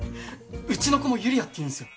うちの子も「優里亜」っていうんですよ。